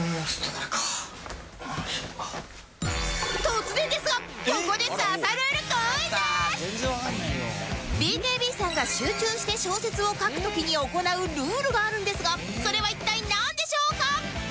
突然ですがここでＢＫＢ さんが集中して小説を書く時に行うルールがあるんですがそれは一体なんでしょうか？